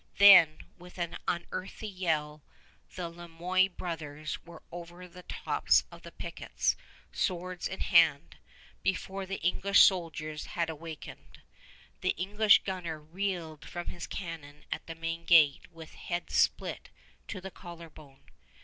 Then, with an unearthly yell, the Le Moyne brothers were over the tops of the pickets, swords in hand, before the English soldiers had awakened. The English gunner reeled from his cannon at the main gate with head split to the collar bone.